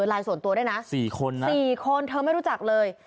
ไลน์ส่วนตัวด้วยนะ๔คนนะ๔คนเธอไม่รู้จักเลย